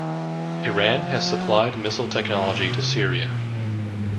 Iran has supplied missile technology to Syria.